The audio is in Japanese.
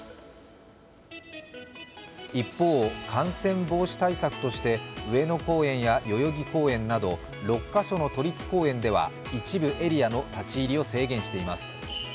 一方、感染防止対策として上野公園や代々木公園など、６カ所の都立公園では、一部エリアの立ち入りを制限しています。